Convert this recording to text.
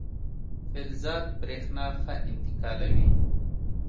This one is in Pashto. فلزات برېښنا ښه انتقالوي.